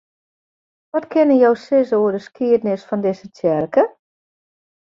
Wat kinne jo sizze oer de skiednis fan dizze tsjerke?